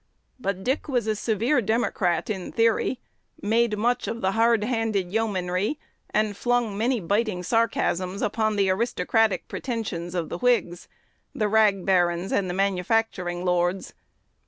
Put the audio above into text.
But Dick was a severe Democrat in theory, made much of "the hard handed yeomanry," and flung many biting sarcasms upon the aristocratic pretensions of the Whigs, the "rag barons" and the manufacturing "lords."